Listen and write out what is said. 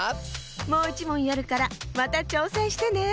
もういちもんやるからまたちょうせんしてね。